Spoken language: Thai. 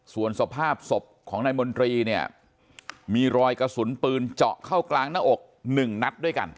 ส่วนสภาพศพของนายมนตรีเนี่ยมีรอยกระสุนปืนเจาะเข้ากลางหน้าอกหนึ่งนัดด้วยกัน